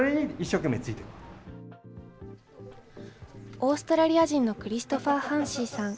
オーストラリア人のクリストファー・ハンシーさん。